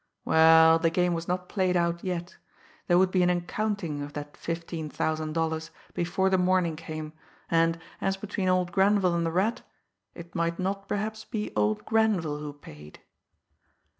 Well, the game was not played out yet! There would be an accounting of that fifteen thousand dollars before the morning came, and, as between old Grenville and the Rat, it might not perhaps be old Grenville who paid!